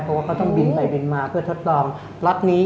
เพราะว่าเขาต้องบินไปบินมาเพื่อทดลองล็อตนี้